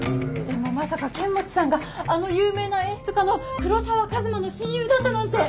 でもまさか剣持さんがあの有名な演出家の黒沢和馬の親友だったなんて！